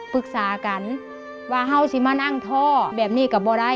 ปรึกษากันว่าเขาจะมานั่งทอแบบนี้กับบร้าย